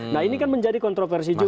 nah ini kan menjadi kontroversi juga